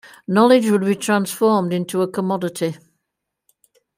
Knowledge would be transformed into a commodity.